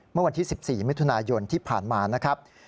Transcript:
เมื่อวันที่๑๔มิถุนายนที่ผ่านมานะครับ